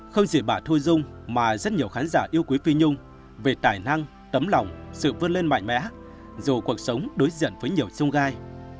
không chỉ bà thôi dung mà rất nhiều khán giả yêu quý phi nhung về tài năng tấm lòng sự vươn lên mạnh mẽ dù cuộc sống đối diện với nhiều sung gai